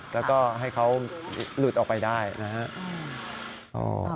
แล้วก็ให้เขาหลุดออกไปได้นะครับ